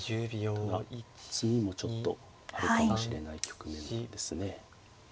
ただ次もちょっとあるかもしれない局面ですね。